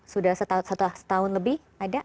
sudah setahun lebih